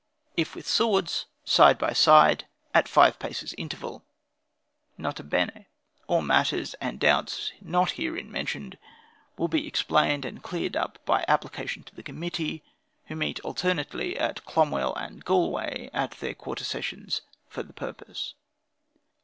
"If with swords, side by side, at five paces interval. "N.B. All matters and doubts not herein mentioned, will be explained and cleared up by application to the committee, who meet alternately at Clonmell and Galway, at their quarter sessions, for the purpose.